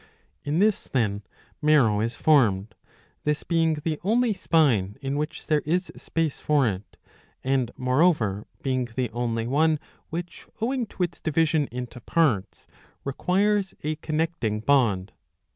In this then marrow is formed ; this being the only spine in which there is space for it, and moreover being the only one which owing to its division into parts requires a connecting bond.